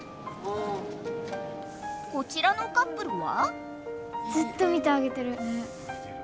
こちらのカップルは？